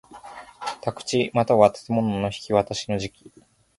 宅地又は建物の引渡しの時期